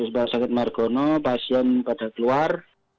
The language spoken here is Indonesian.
rumah sakit margono pasien pada keluar